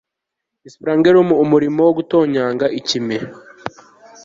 Ni spangleumurimo wo gutonyanga ikime